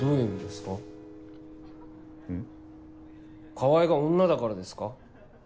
川合が女だからですか？